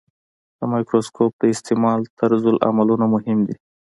د مایکروسکوپ د استعمال طرزالعملونه مهم دي.